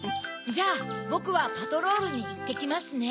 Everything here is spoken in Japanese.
じゃあぼくはパトロールにいってきますね。